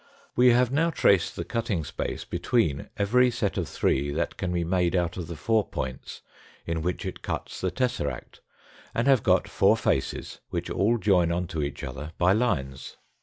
We have now traced the cutting space between every NHll ' b : set of three that can be made out of the four points in which it cuts the tesseract, and have got four faces which all join on to each other by fines.